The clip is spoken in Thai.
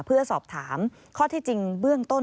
เพื่อสอบถามข้อที่จริงเบื้องต้น